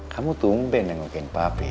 kamu tumben yang ngelukain papi